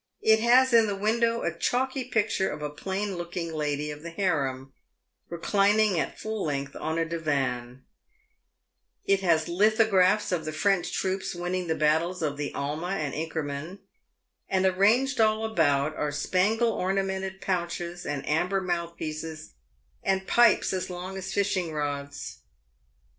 It basin the window a chalky picture of a plain looking lady of the harem reclining at full length on a divan ; it has lithographs of the Trench troops winning the battles of the Alma and Inkerman, and arranged all about are spangle ornamented pouches and amber mouthpieces, and pipes as long as fishing rods.